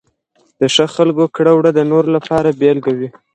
د ښه خلکو کړه وړه د نورو لپاره بېلګه وي.